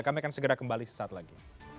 kami akan segera kembali sesaat lagi